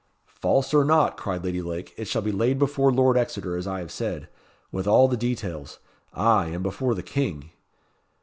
"False or not," cried Lady Lake, "it shall be laid before Lord Exeter as I have said with all the details ay, and before the King."